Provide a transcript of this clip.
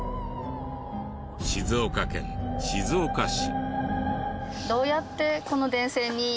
静岡県静岡市。